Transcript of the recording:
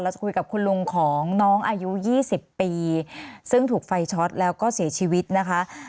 จะคุยกับคุณลุงของน้องอายุ๒๐ปีซึ่งถูกไฟช็อตแล้วก็เสียชีวิตนะคะ